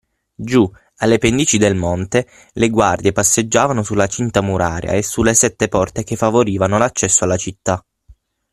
giù, alle pendici del monte, le guardie passeggiavano sulla cinta muraria e sulle sette porte che favorivano l’accesso alla città.